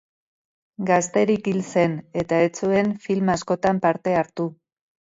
Gazterik hil zen, eta ez zuen film askotan parte hartu.